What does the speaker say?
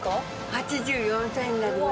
８４歳になります。